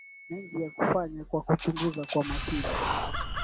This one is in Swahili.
mengi ya kufanya kwa kuchunguza kwa makini